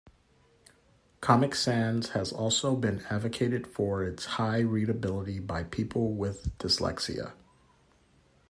Comic Sans has also been advocated for its high readability by people with dyslexia.